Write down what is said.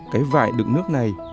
cái vại đựng nước này